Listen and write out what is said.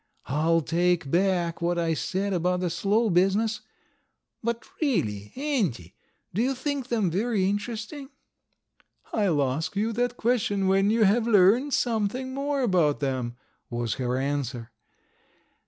I'll take back what I said about the slow business. But really, Auntie, do you think them very interesting?" "I'll ask you that question when you have learned something more about them," was her answer.